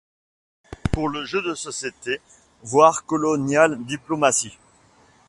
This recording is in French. Pour le jeu de société, voir Colonial Diplomacy.